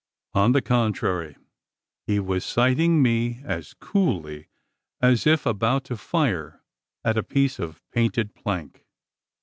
On the contrary, he was sighting me as coolly, as if about to fire at a piece of painted plank.